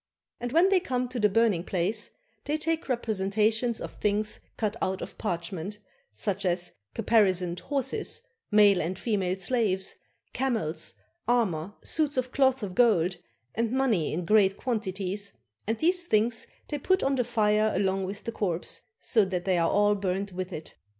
And when they come to the burning place, they take representations of things cut out of parchment, such as caparisoned horses, male and female slaves, camels, armor, suits of cloth of gold, and money in great quantities, and these things they put on the fire along with the corpse, so that they are all burnt with it.